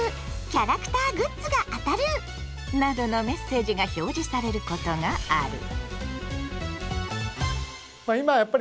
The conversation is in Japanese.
キャラクターグッズが当たる！」などのメッセージが表示されることがある。